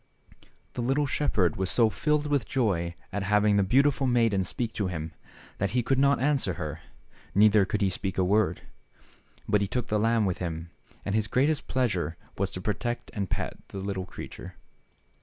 The little shepherd was so filled with joy at TNe <fj tew^rd THE SHEPHERD BOY. 65 having the beautiful maiden speak to him, that he could not answer her, neither could he speak a word. But he took the lamb with him, and his greatest pleasure was to protect and pet the little creature.